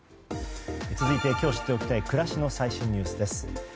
続いて今日知っておきたい暮らしの最新ニュースです。